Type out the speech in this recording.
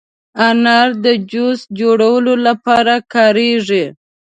انار د جوس جوړولو لپاره کارېږي.